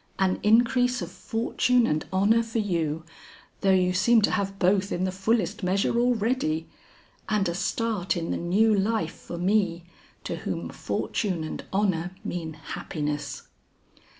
"An increase of fortune and honor for you, though you seem to have both in the fullest measure already, and a start in the new life for me to whom fortune and honor mean happiness."